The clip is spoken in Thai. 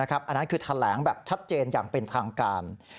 อันนั้นคือแถลงแบบชัดเจนอย่างเป็นทางการ